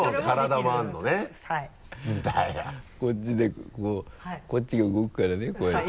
こっちでこここっちが動くからねこうやって。